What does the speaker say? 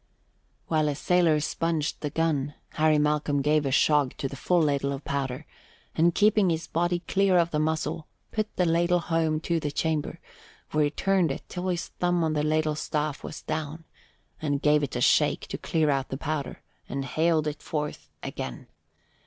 While a sailor sponged the gun, Harry Malcolm gave a shog to the full ladle of powder, and keeping his body clear of the muzzle, put the ladle home to the chamber, where he turned it till his thumb on the ladle staff was down, and gave it a shake to clear out the powder, and haled it forth again.